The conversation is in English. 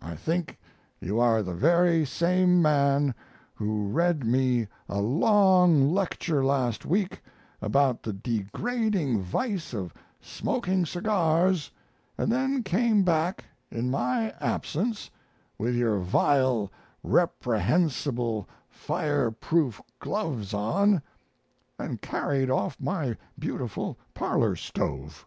I think you are the very same man who read me a long lecture last week about the degrading vice of smoking cigars and then came back, in my absence, with your vile, reprehensible fire proof gloves on, and carried off my beautiful parlor stove.